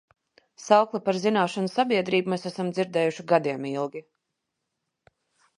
Saukli par zināšanu sabiedrību mēs esam dzirdējuši gadiem ilgi.